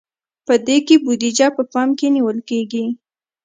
په دې کې بودیجه په پام کې نیول کیږي.